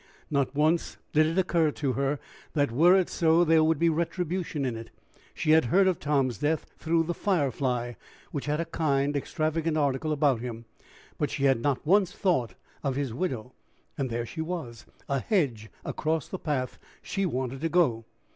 Not once did it occur to her that, were it so, there would be retribution in it. She had heard of Tom's death through "The Firefly," which had a kind, extravagant article about him, but she had not once thought of his widow and there she was, a hedge across the path she wanted to go!